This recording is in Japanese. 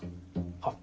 あっ！